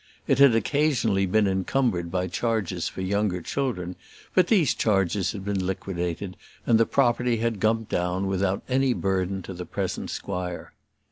It had occasionally been encumbered by charges for younger children; but these charges had been liquidated, and the property had come down without any burden to the present squire.